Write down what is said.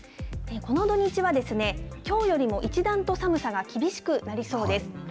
この土日は、きょうよりも一段と寒さが厳しくなりそうです。